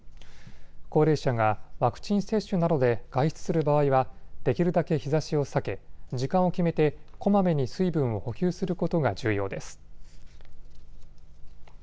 高齢者がワクチン接種などで外出する場合はできるだけ日ざしを避け時間を決めてこまめに水分を補給することが重要です。